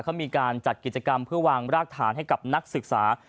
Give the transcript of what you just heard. เขามีการจัดกิจกรรมเพื่อวางรากฐานให้กับนักศึกษา